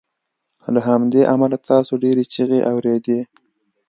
له همدې امله تاسو ډیرې چیغې اوریدې